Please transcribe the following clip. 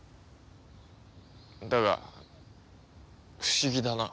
だが不思議だな。